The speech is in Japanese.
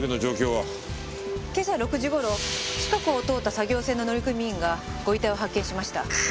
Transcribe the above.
今朝６時頃近くを通った作業船の乗組員がご遺体を発見しました。